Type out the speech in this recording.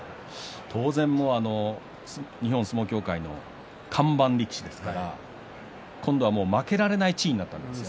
当然、日本相撲協会の看板力士ですから今度は負けられない地位だと思います。